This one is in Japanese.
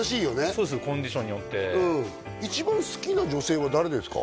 そうですよコンディションによって一番好きな女性は誰ですか？